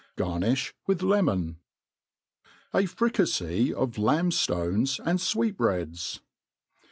Gar^ jiiih with lemon. A Fricafey of. Lamb^Jlones and Sweetbreads.